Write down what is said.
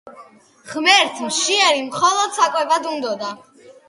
ღმერთს მშიერნი მხოლოდ საკვებად უნდოდა